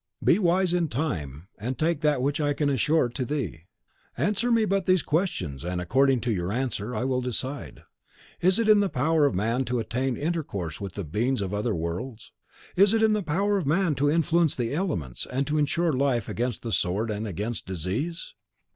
Be wise in time, and take that which I can assure to thee." "Answer me but these questions, and according to your answer I will decide. Is it in the power of man to attain intercourse with the beings of other worlds? Is it in the power of man to influence the elements, and to insure life against the sword and against disease?"